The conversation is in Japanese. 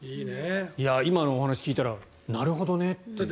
今のお話を聞いたらなるほどねって。